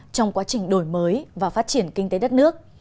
trong quá trình đổi mới và phát triển kinh tế đất nước